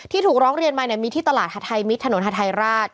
ถูกร้องเรียนมามีที่ตลาดฮาไทยมิตรถนนฮาทายราช